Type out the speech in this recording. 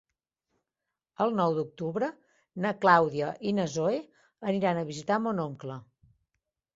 El nou d'octubre na Clàudia i na Zoè aniran a visitar mon oncle.